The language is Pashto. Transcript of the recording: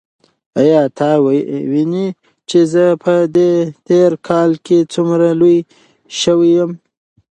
ایا ته وینې چې زه په دې تېر کال کې څومره لوی شوی یم؟